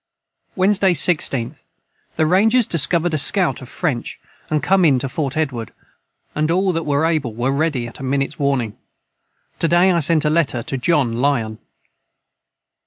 [Footnote 61: Picket.] Wednesday 16. The ranjers discoverd a scout of French & com in to Fort Edward and all that were able were ready at a minits warning to day I sent a Letter to John Lyon.